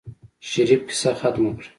شريف کيسه ختمه کړه.